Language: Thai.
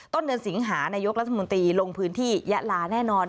ต้นเดือนสิงหานายกรัฐมนตรีลงพื้นที่ยะลาแน่นอน